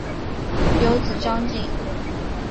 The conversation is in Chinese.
有子张缙。